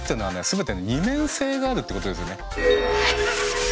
全て二面性があるってことですよね。